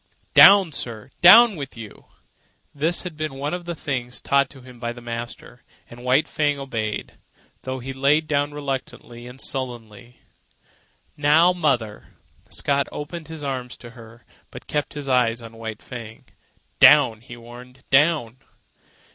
"Down, sir! Down with you!" This had been one of the things taught him by the master, and White Fang obeyed, though he lay down reluctantly and sullenly. "Now, mother." Scott opened his arms to her, but kept his eyes on White Fang. "Down!" he warned. "Down!"